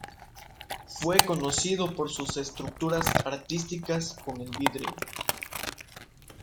Fue conocido por sus estructuras artísticas con el vidrio.